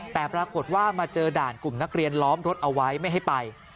แต่ปรากฏว่ามาเจอด่านกลุ่มนักเรียนล้อมรถเอาไว้ไม่ให้ไป